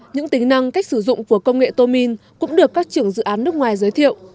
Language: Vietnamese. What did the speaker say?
những tính năng cách sử dụng của công nghệ tô minh cũng được các trưởng dự án nước ngoài giới thiệu